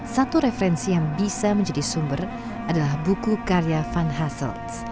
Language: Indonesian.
satu referensi yang bisa menjadi sumber adalah buku karya van hussel